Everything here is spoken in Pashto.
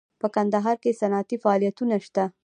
په کندهار کې صنعتي فعالیتونه شته